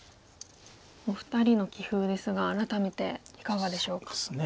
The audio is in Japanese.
お二人の棋風ですが改めていかがでしょうか？